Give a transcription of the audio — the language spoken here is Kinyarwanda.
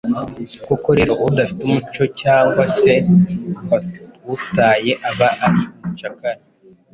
Koko lero udafite umuco cyangwa se wawutaye aba ari umucakara.